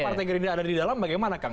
partai gerindra ada di dalam bagaimana kang